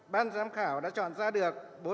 ban giám khảo đã chọn ra được